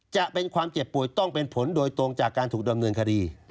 จะเป็นความเจ็บป่วยต้องเป็นผลโดยตรงจากการถูกดำเนินคดี